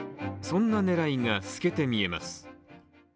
そんな狙いが透けて見えます。